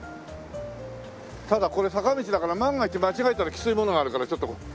ただこれ坂道だから万が一間違えたらきついものがあるからちょっと。